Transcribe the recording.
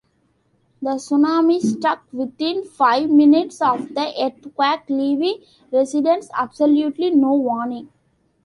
The tsunami struck within five minutes of the earthquake, leaving residents absolutely no warning.